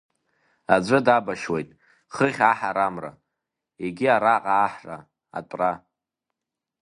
Аӡәы дабашьуеит хыхь аҳарамра, егьи араҟа аҳра, атәра.